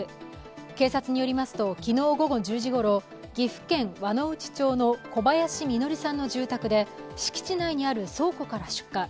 警察によりますと昨日午後１０時ごろ、岐阜県輪之内町の小林実さんの住宅で敷地内にある倉庫から出火。